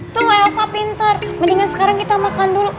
tunggu elsa pinter mendingan sekarang kita makan dulu